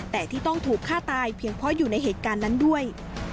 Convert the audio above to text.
แต่ที่ต้องถูกฆ่าตายเพียงเพราะอยู่ในเหตุการณ์นั้นด้วย